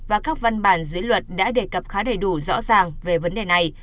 và các văn bản dưới luật đã đề cập khá đầy đủ rõ ràng về vấn đề này